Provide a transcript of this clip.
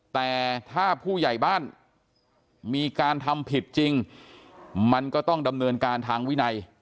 แต่ถ้าผู้ใหญ่บ้านมีการทำผิดจริงมันก็ต้องดำเนินการทางวินัย